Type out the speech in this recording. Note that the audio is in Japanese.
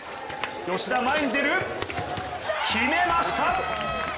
吉田前に出る、決めました！